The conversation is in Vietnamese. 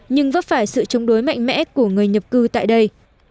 nhưng vấp phải sự chống đối mạnh mẽ của người nhập cư tại đây